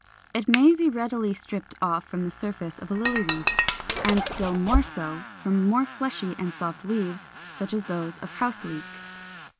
It may readily be stripped off from the surface of a Lily leaf, and still more so from more fleshy and soft leaves, such as those of Houseleek.